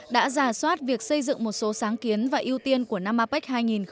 đã giả soát việc xây dựng một số sáng kiến và ưu tiên của năm apec hai nghìn hai mươi